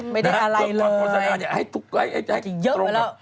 ไม่ได้อะไรเลยต้องการโฆษณาให้ตรงกับ